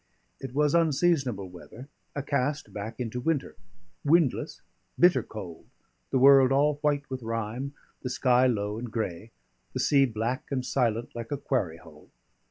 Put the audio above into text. It was unseasonable weather, a cast back into winter: windless, bitter cold, the world all white with rime, the sky low and grey: the sea black and silent like a quarry hole.